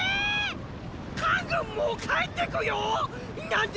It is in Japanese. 韓軍もう帰ってくよっ！